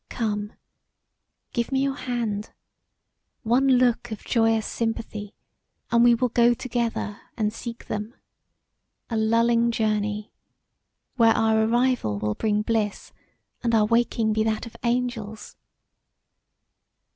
Come, give me your hand, one look of joyous sympathy and we will go together and seek them; a lulling journey; where our arrival will bring bliss and our waking be that of angels.